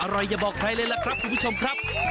อย่าบอกใครเลยล่ะครับคุณผู้ชมครับ